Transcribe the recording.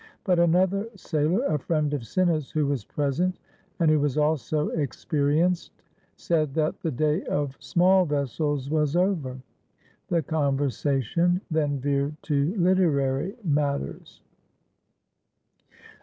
But another sailor, a friend of Cinna's, who was present, and who was also experienced, said that the day of small vessels was over. The conversation then veered to Hterary matters.